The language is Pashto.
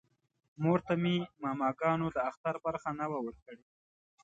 مور ته مې ماماګانو د اختر برخه نه وه ورکړې